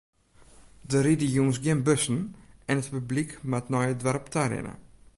Der ride jûns gjin bussen en it publyk moat nei it doarp ta rinne.